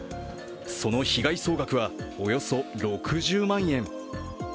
その被害総額はおよそ６０万円。